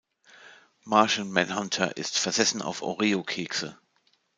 Martian Manhunter ist versessen auf Oreo-Kekse.